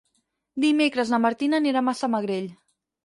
Dimecres na Martina anirà a Massamagrell.